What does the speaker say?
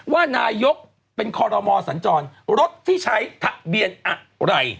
ว่านายกเป็นคอรมอสัญจรรถที่ใช้ทะเบียนอะไร